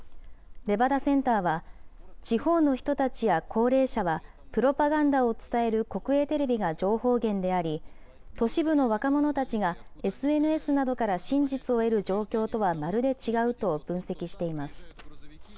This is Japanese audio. レバダセンターは、地方の人たちや高齢者は、プロパガンダを伝える国営テレビが情報源であり、都市部の若者たちが、ＳＮＳなどから真実を得る状況とはまるで違うと分析しています。